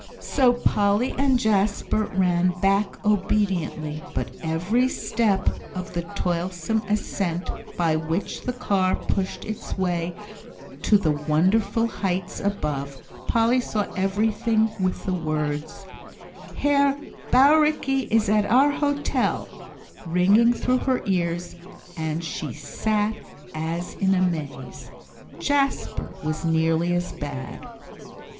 So Polly and Jasper ran back obediently, but every step of the toilsome ascent by which the car pushed its way to the wonderful heights above, Polly saw everything with the words, "Herr Bauricke is at our hotel," ringing through her ears; and she sat as in a maze. Jasper was nearly as bad.